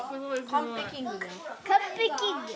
カンペキング！